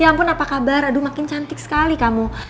ya ampun apa kabar aduh makin cantik sekali kamu